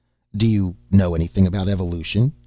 "Do you know anything about evolution?"